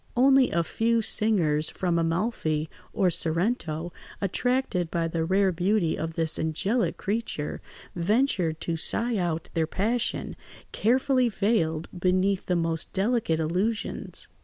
Only a few singers from Amalfi or Sorrento, attracted by the rare beauty of this angelic creature, ventured to sigh out their passion, carefully veiled beneath the most delicate allusions.